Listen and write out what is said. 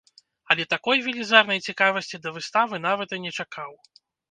Але такой велізарнай цікавасці да выставы нават і не чакаў.